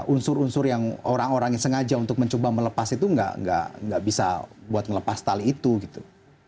unsur unsur yang orang orang yang sengaja untuk mencoba melepas itu nggak bisa buat melepas tali itu gitu